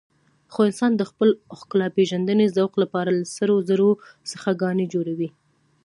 خو انسان د خپل ښکلاپېژندنې ذوق لپاره له سرو زرو څخه ګاڼې جوړوي.